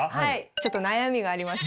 ちょっと悩みがありまして。